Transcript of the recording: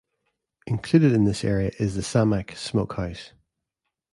Included in this area is the Samak Smoke House.